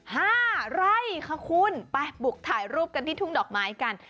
ห้าไร่ค่ะคุณไปบุกถ่ายรูปกันที่ทุ่งดอกไม้กัน